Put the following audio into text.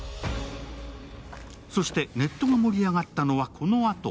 そしてネットが盛り上がったのはこのあと。